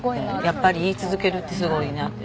やっぱり言い続けるってすごいなって。